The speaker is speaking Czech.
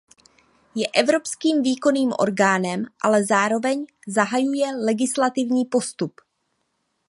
Je evropským výkonným orgánem, ale zároveň zahajuje legislativní postup.